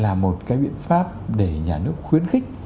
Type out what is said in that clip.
là một cái biện pháp để nhà nước khuyến khích